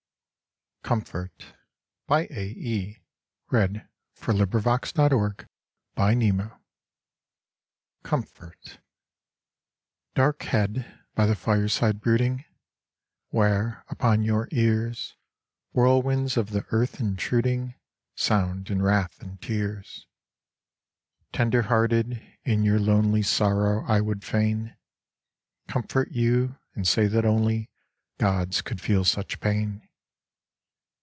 e rose to part, Because her ways are infinite. 3 2 Cumfrrrt DARK head by the fireside brooding, Where upon your ears Whirlwinds of the earth intruding Sound in wrath and tears : Tender hearted, in your lonely Sorrow I would fain Comfort you, and say that only Gods could feel such pain.